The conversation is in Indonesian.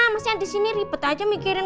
masa yang disini ribet aja mikirin